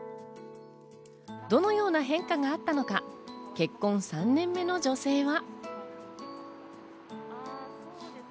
どのような変化があったのか、結婚３年目の女性は。